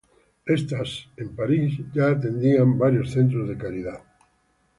Estas es París, ya atendían varios centros de caridad.